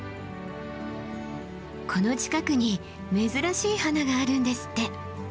この近くに珍しい花があるんですって。